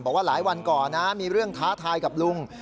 บอกว่าหลายวันก่อนนะมีเรื่องท้าทายกับลุง